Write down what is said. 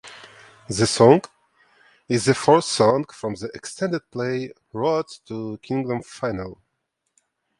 The song is the fourth song from the extended play "Road to Kingdom Final".